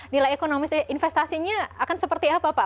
nilai ekonomis investasinya akan seperti apa pak